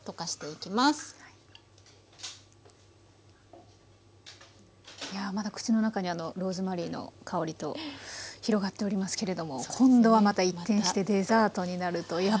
いやまだ口の中にあのローズマリーの香りと広がっておりますけれども今度はまた一転してデザートになるという。